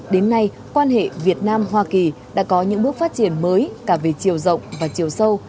đến nay quan hệ việt nam hoa kỳ đã có những bước phát triển mới cả về chiều rộng và chiều sâu